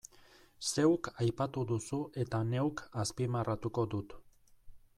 Zeuk aipatu duzu eta neuk azpimarratuko dut.